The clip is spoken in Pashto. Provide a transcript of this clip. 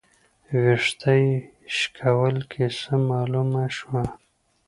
، وېښته يې شکول، کيسه مالومه شوه